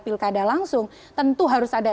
pilkada langsung tentu harus ada